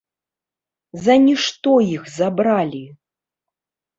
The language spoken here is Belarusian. За нішто іх забралі!